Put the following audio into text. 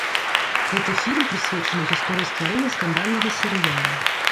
Гэты фільм прысвечаны гісторыі стварэння скандальнага серыялу.